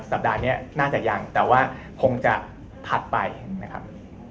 สัปดาห์นี้น่าจะยังแต่ว่าคงจะถัดไปนะครับ